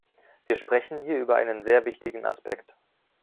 Wir sprechen hier über einen sehr wichtigen Aspekt.